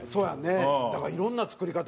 だからいろんな作り方あるね。